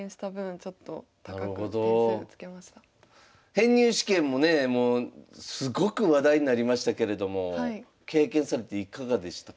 編入試験もねもうすごく話題になりましたけれども経験されていかがでしたか？